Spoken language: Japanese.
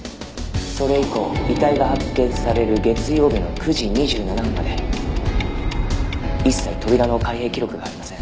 「それ以降遺体が発見される月曜日の９時２７分まで一切扉の開閉記録がありません」